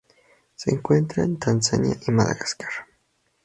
Se encuentra en Tanzania y Madagascar.